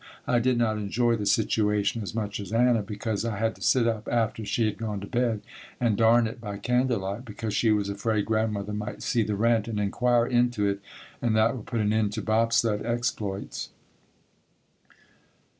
I did not enjoy the situation as much as Anna, because I had to sit up after she had gone to bed, and darn it by candle light, because she was afraid Grandmother might see the rent and inquire into it, and that would put an end to bobsled exploits.